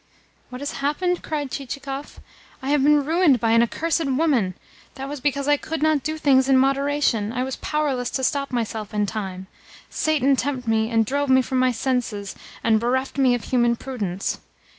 "What has happened?" cried Chichikov. "I have been ruined by an accursed woman. That was because I could not do things in moderation I was powerless to stop myself in time, Satan tempted me, and drove me from my senses, and bereft me of human prudence.